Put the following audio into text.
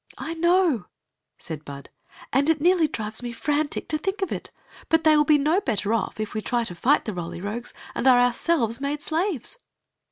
"I know," said Bud; "and it nearly drives me fiantic to think of it But they wili be no better off if we try to fight the Roly Rogues and are ourselves made slaves."